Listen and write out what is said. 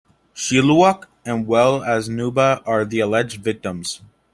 Shilluk and well as Nuba are the alleged victims.